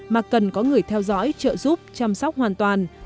mà cần có người theo dõi trợ giúp chăm sóc hoàn toàn